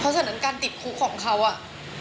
เพราะฉะนั้นการติดคุกของเขาอะ